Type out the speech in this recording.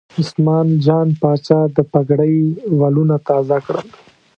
عثمان جان پاچا د پګړۍ ولونه تازه کړل.